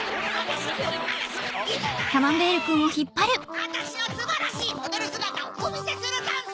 あたしのすばらしいモデルすがたをおみせするざんす！